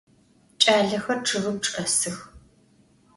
Ç'alexer ççıgım çç'esıx.